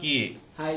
はい。